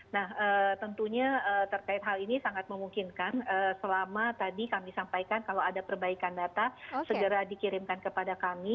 nah tentunya terkait hal ini sangat memungkinkan selama tadi kami sampaikan kalau ada perbaikan data segera dikirimkan kepada kami